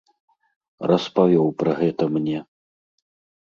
Распавёў пра гэта мне.